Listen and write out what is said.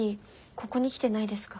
ここに来てないですか？